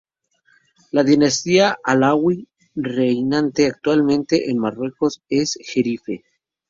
La dinastía alauí reinante actualmente en Marruecos es jerife.